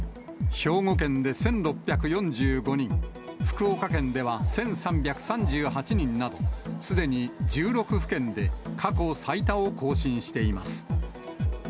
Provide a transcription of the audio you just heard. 兵庫県で１６４５人、福岡県では１３３８人など、すでに１６府県で過去最多を更新しています。